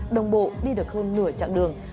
đồng bộ đi được hơn nửa chặng đường